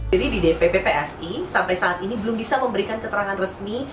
jadi di dpp psi sampai saat ini belum bisa memberikan keterangan resmi